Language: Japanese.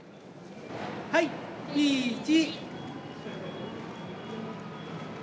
はい、ピーチ。